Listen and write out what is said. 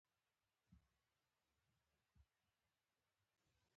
روژه راغله؛ خو احمد په کور کې غوړه ګوته نه لري.